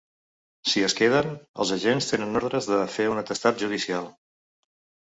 Si es queden, els agents tenen ordres de fer un atestat judicial.